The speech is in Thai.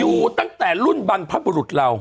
อยู่ตั้งแต่รุ่นบรรพบุรุษเรา